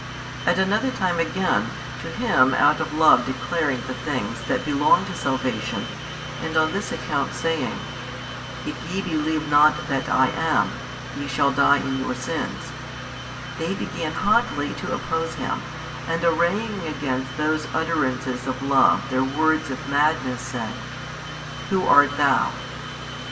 at another time again, to Him out of love declaring the things that belong to salvation and on this account saying, If ye believe not that I am, ye shall die in your sins, they began hotly to oppose Him and arraying against those utterances of love their words of madness said, Who art THOU?